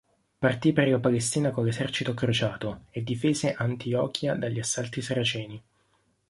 Partì per la Palestina con l'esercito crociato e difese Antiochia dagli assalti saraceni.